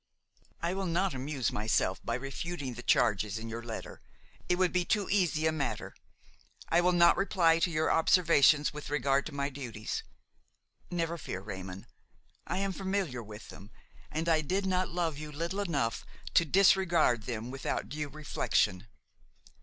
"I will not amuse myself by refuting the charges in your letter; it would be too easy a matter; I will not reply to your observations with regard to my duties. Never fear, Raymon; I am familiar with them and I did not love you little enough to disregard them without due reflection.